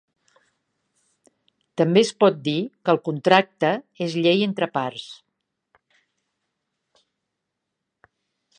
També es pot dir que el contracte és llei entre parts.